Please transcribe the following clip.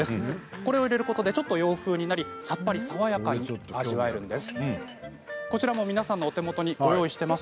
これを入れることでちょっと洋風になってさっぱり爽やかに味わえるんです。